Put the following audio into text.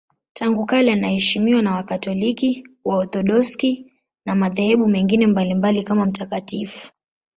Tangu kale anaheshimiwa na Wakatoliki, Waorthodoksi na madhehebu mengine mbalimbali kama mtakatifu.